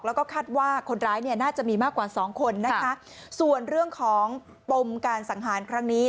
แล้วก็คาดว่าคนร้ายเนี่ยน่าจะมีมากกว่าสองคนนะคะส่วนเรื่องของปมการสังหารครั้งนี้